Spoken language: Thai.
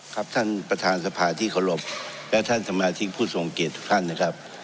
ครับท่านประธานสภาที่เคารพและท่านสมาชิกผู้ทรงเกียจทุกท่านนะครับ